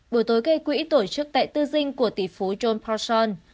buổi tối kỳ quỹ tổ chức tại tư dinh của tỷ phú john paulson